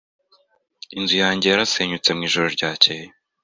Inzu yanjye yarasenyutse mu ijoro ryakeye.